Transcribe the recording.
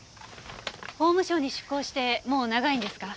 法務省に出向してもう長いんですか？